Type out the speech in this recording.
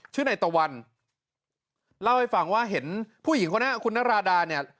ในตะวันเล่าให้ฟังว่าเห็นผู้หญิงคนนี้คุณนราดาเนี่ย